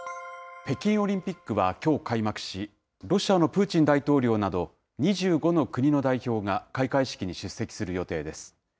北京オリンピックはきょう開幕し、ロシアのプーチン大統領など、２５の国の代表が開会式に出席する予定です。